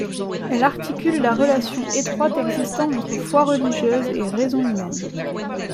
Elle articule la relation étroite existant entre Foi religieuse et Raison humaine.